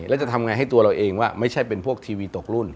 แล้วจะทำไงให้ตัวเราเองว่าไม่ใช่เป็นพวกทีวีตกรุ่น